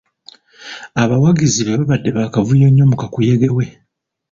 Abawagizi be baabadde baakavuyo nnyo mu kakuyege we.